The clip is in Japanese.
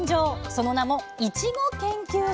その名も「いちご研究所」